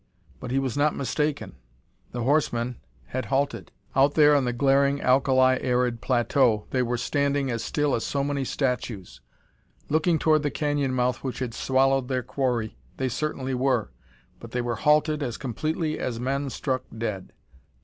But he was not mistaken. The horsemen had halted! Out there on the glaring, alkali arid plateau, they were standing as still as so many statues. Looking toward the canyon mouth which had swallowed their quarry, they certainly were, but they were halted as completely as men struck dead.